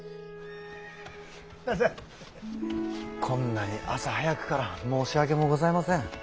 こんなに朝早くから申し訳もございません。